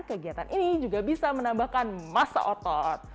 kegiatan ini juga bisa menambahkan masa otot